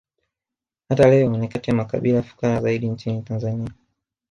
Hata leo ni kati ya makabila fukara zaidi nchini Tanzania